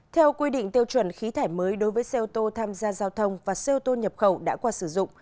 theo quy định tiêu chuẩn khí thải mới đối với xe ô tô tham gia giao thông và xe ô tô nhập khẩu đã qua sử dụng